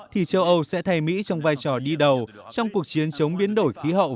thì châu âu sẽ thay mỹ trong vai trò đi đầu trong cuộc chiến chống biến đổi khí hậu